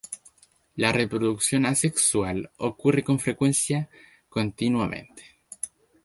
La reproducción asexual ocurre con frecuencia, continuamente.